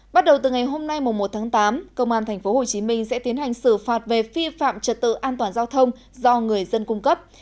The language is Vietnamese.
bắt đầu từ ngày hôm nay một tháng tám công an tp hcm sẽ tiến hành xử phạt về phi phạm trật tự an toàn giao thông do người dân cung cấp